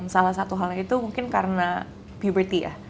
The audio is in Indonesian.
salah satu halnya itu mungkin karena beberty ya